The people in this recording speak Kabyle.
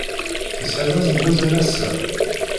Tesɛiḍ asegzawal ass-a?